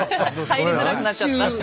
入りづらくなっちゃった。